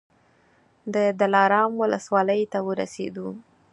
د دلارام ولسوالۍ ته ورسېدو.